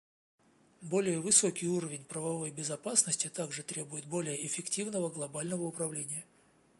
Более высокий уровень правовой безопасности также требует более эффективного глобального управления.